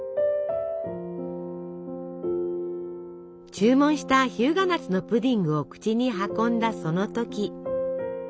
注文した「日向夏のプディング」を口に運んだその時。